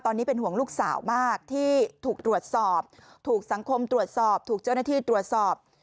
ของลูกสาวบ้างที่ถูกตรวจสอบถูกสังคมตรวจสอบและเจ้าหน้าที่ตรวจสอบ